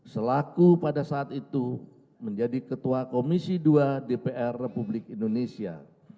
selaku pada saat itu menjadi ketua komisi dua dpr republik indonesia